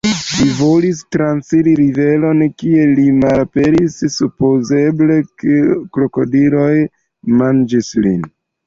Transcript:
Li volis trairi riveron, kie li malaperis, supozeble krokodiloj manĝis lin.